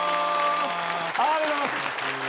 ありがとうございます。